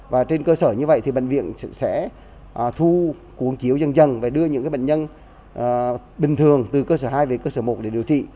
và trên cơ sở như vậy thì bệnh viện sẽ thu cuốn chiếu dần dần và đưa những bệnh nhân bình thường từ cơ sở hai về cơ sở một để điều trị